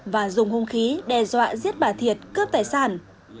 và dùng hung khí đe dọa giết bà thiệt cướp tài sản